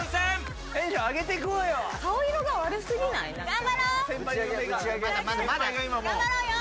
頑張ろう。